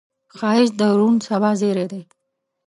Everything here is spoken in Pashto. ښایست د روڼ سبا زیری دی